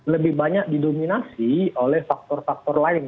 lebih banyak didominasi oleh faktor faktor lain